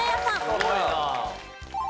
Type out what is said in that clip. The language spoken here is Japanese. すごいなあ。